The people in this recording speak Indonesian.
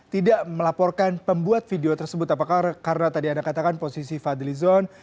tidak melaporkan pembuat video tersebut apakah karena tadi anda katakan posisi fadli zon